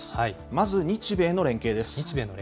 まず日米の連携です。